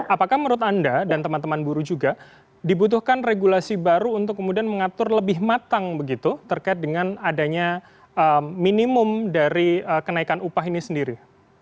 apakah menurut anda dan teman teman buruh juga dibutuhkan regulasi baru untuk kemudian mengatur lebih matang begitu terkait dengan adanya minimum dari kenaikan upah ini sendiri